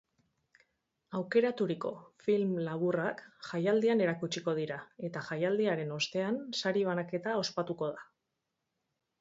Aukeraturiko film laburrak jaialdian erakutsiko dira eta jaialdiaren ostean sari banaketa ospatuko da.